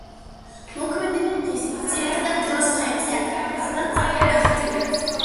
მოქმედებენ დღისით, ძირითად დროს ხეებზე ატარებენ, სადაც სწრაფად დახტიან.